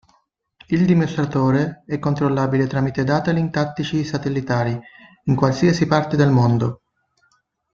Il dimostratore è controllabile tramite datalink tattici satellitari in qualsiasi parte del mondo.